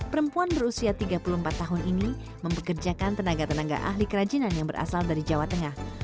perempuan berusia tiga puluh empat tahun ini mempekerjakan tenaga tenaga ahli kerajinan yang berasal dari jawa tengah